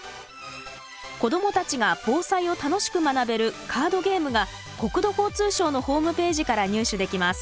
子どもたちが防災を楽しく学べるカードゲームが国土交通省のホームページから入手できます。